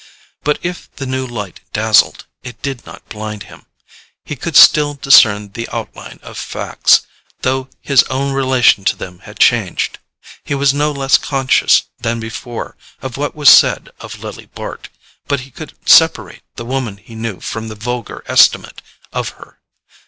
But if the new light dazzled, it did not blind him. He could still discern the outline of facts, though his own relation to them had changed. He was no less conscious than before of what was said of Lily Bart, but he could separate the woman he knew from the vulgar estimate of her.